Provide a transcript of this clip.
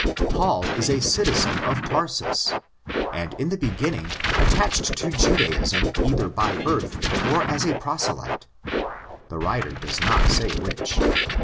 25). Paul isa citizen of Tarsus, and in the beginning attached to Judaism either by birth or as a proselyte ; the writer does not say which.